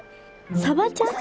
サバちゃん？